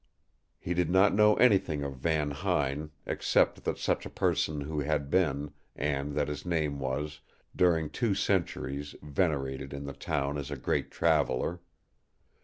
He did not know anything of Van Huyn, except that such a person had been, and that his name was, during two centuries, venerated in the town as a great traveller.